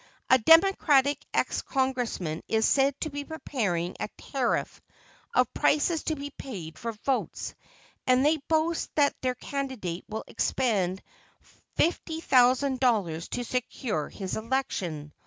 A democratic ex Congressman is said to be preparing a tariff of prices to be paid for votes, and they boast that their candidate will expend $50,000 to secure his election.